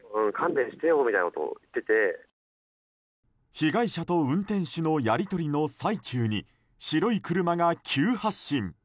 被害者と運転手のやり取りの最中に白い車が急発進。